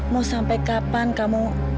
mau sampai kapan kamu